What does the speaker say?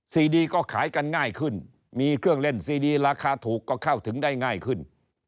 ซีดีก็ขายกันง่ายขึ้นมีเครื่องเล่นซีดีราคาถูกก็เข้าถึงได้ง่ายขึ้น